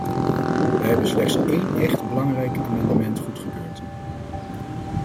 Wij hebben slechts één echt belangrijk amendement goedgekeurd.